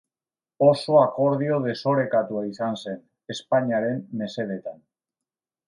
Oso akordio desorekatua izan zen, Espainiaren mesedetan.